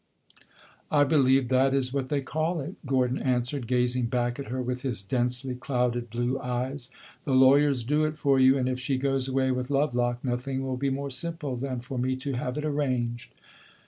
"I believe that is what they call it," Gordon answered, gazing back at her with his densely clouded blue eyes. "The lawyers do it for you; and if she goes away with Lovelock, nothing will be more simple than for me to have it arranged."